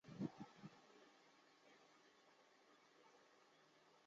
勿吉古肃慎地也。